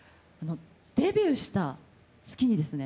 デビューした月にですね